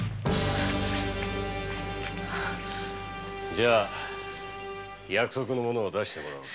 じゃ約束の物出してもらおうか。